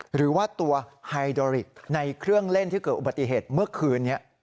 หรือว่าตัวไฮโดริกในเครื่องเล่นที่เกิดอุบัติเหตุเมื่อคืนนี้